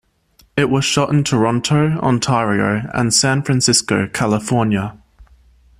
It was shot in Toronto, Ontario, and San Francisco, California.